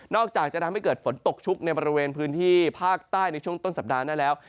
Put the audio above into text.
อกจากจะทำให้เกิดฝนตกชุกในบริเวณพื้นที่ภาคใต้ในช่วงต้นสัปดาห์หน้าแล้ว